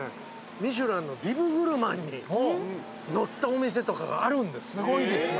ミシュランのビブグルマンに載ったお店とかがあるんですすごいですよ